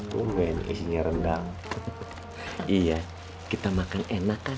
pemen isinya rendang iya kita makan enakan